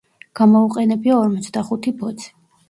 გამოუყენებია ორმოცდახუთი ბოძი.